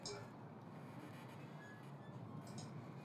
La joven trabaja como asistenta para un matrimonio y su hijo pequeño.